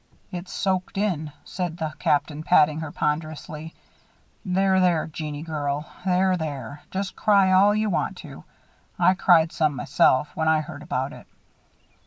"It's soaked in," said the Captain, patting her ponderously. "There, there, Jeannie girl. There, there. Just cry all ye want to. I cried some myself, when I heard about it."